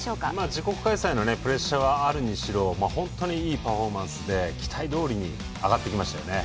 自国開催のプレッシャーはあるにしろ本当にいいパフォーマンスで期待どおりに上がってきましたよね。